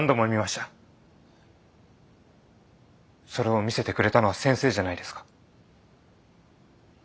それを見せてくれたのは先生じゃないですか。